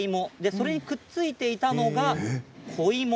それにくっついていたのが子芋。